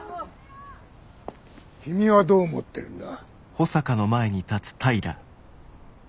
君はどう思ってるんだ？